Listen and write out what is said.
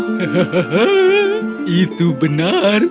hahaha itu benar